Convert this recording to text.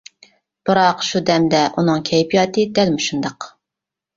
بىراق شۇ دەمدە ئۇنىڭ كەيپىياتى دەل مۇشۇنداق.